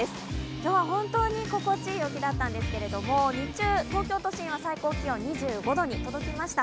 今日は本当に心地いい陽気だったんですけど日中、東京都心は最高気温２５度に届きました。